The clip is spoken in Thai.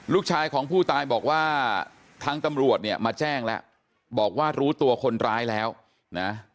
ลูกชายของผู้ตายบอกว่าทางตำรวจเนี่ยมาแจ้งแล้วบอกว่ารู้ตัวคนร้ายแล้วนะ